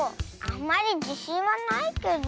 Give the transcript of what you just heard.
あんまりじしんはないけど。